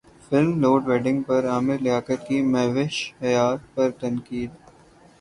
film Load Wedding پر عامر لیاقت کی مہوش حیات پر تنقید